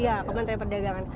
iya kementerian perdagangan